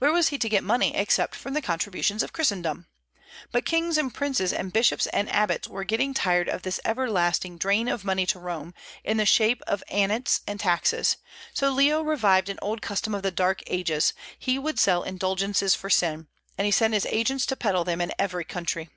Where was he to get money except from the contributions of Christendom? But kings and princes and bishops and abbots were getting tired of this everlasting drain of money to Rome, in the shape of annats and taxes; so Leo revived an old custom of the Dark Ages, he would sell indulgences for sin; and he sent his agents to peddle them in every country.